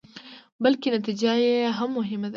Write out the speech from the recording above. بلکې نتيجه يې هم مهمه ده.